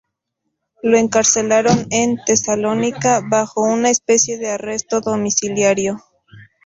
Lo encarcelaron en Tesalónica bajo una especie de arresto domiciliario.